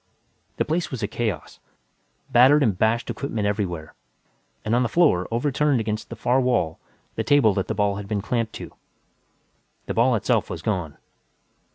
The place was a chaos, battered and bashed equipment everywhere, and on the floor, overturned against the far wall, the table that the ball had been clamped to. The ball itself was gone.